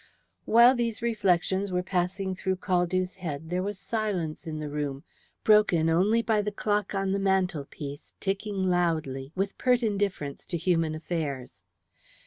While these reflections were passing through Caldew's head there was silence in the room, broken only by the clock on the mantelpiece ticking loudly, with pert indifference to human affairs.